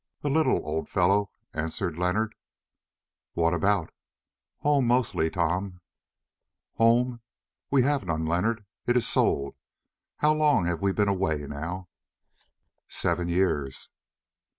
"A little, old fellow," answered Leonard. "What about?" "Home mostly, Tom." "Home! We have none, Leonard; it is sold. How long have we been away now?" "Seven years."